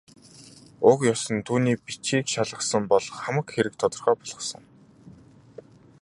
Уг ёс нь түүний бичгийг шалгасан бол хамаг хэрэг тодорхой болохсон.